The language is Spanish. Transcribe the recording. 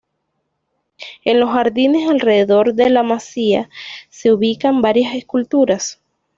En los jardines alrededor de La Masía se ubican varias esculturas.